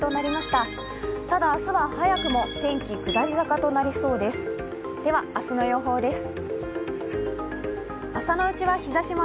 ただ、明日は早くも天気下り坂となりそうです。